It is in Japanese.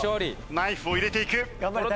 ナイフを入れていく。